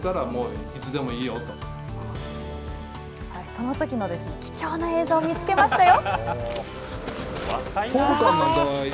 そのときの貴重な映像を見つけましたよ。